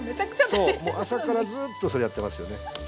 そう朝からずっとそれやってますよね。